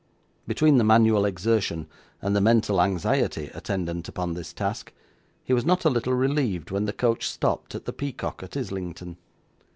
Between the manual exertion and the mental anxiety attendant upon this task, he was not a little relieved when the coach stopped at the Peacock at Islington.